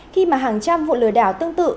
khi mà hàng trăm vụ lừa đảo tương tự